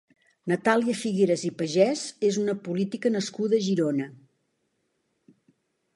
Natàlia Figueras i Pagès és una política nascuda a Girona.